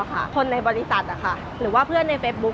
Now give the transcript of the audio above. คนในบริษัทหรือว่าเพื่อนในเฟซบุ๊ค